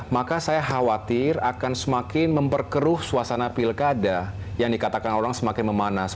maka saya khawatir akan semakin memperkeruh suasana pilkada yang dikatakan orang semakin memanas